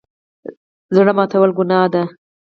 زړه ماتول ګناه ده